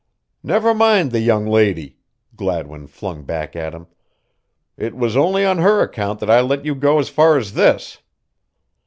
"Never mind the young lady," Gladwin flung back at him. "It was only on her account that I let you go as far as this.